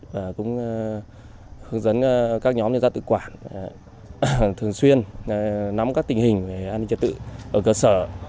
và cũng hướng dẫn các nhóm liên gia tự quản thường xuyên nắm các tình hình về an ninh trật tự ở cơ sở